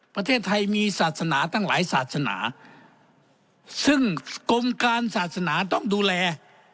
ประเทศไทยมีศาสนาตั้งหลายศาสนาซึ่งกรมการศาสนาต้องดูแล